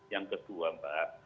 yang kedua mbak